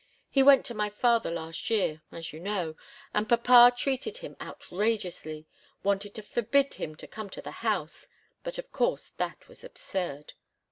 He went to my father last year, as you know, and papa treated him outrageously wanted to forbid him to come to the house, but of course that was absurd.